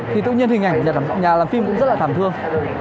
thì tự nhiên hình ảnh nhà làm phim cũng rất là thảm thương